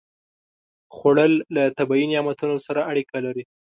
خوړل له طبیعي نعمتونو سره اړیکه لري